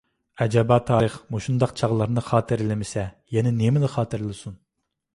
ئەجەبا تارىخ مۇشۇنداق چاغلارنى خاتىرىلىمىسە، يەنە نېمىنى خاتىرىلىسۇن!